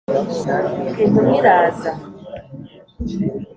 Intumwa iraza.